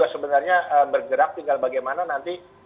sebenarnya bergerak tinggal bagaimana nanti